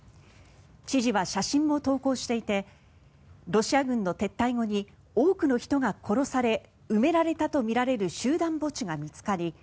知事は写真も投稿していてロシア軍の撤退後に多くの人が殺され埋められたとみられる集団墓地が見つかり